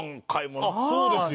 あっそうですよ。